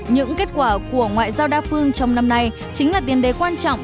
những kết quả của ngoại giao đa phương trong năm nay chính là tiền đề quan trọng